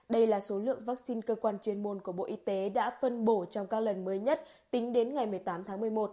đây là số lượng vaccine cơ quan chuyên môn của bộ y tế đã phân bổ trong các lần mới nhất tính đến ngày một mươi tám tháng một mươi một